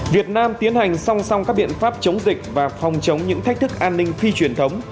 việt nam tiến hành song song các biện pháp chống dịch và phòng chống những thách thức an ninh phi truyền thống